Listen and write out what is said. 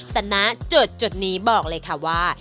แต่ณจุดนี้บอกเลยค่ะว่า